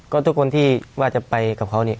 ก็ทุกคนที่ว่าจะไปกับเขาเนี่ย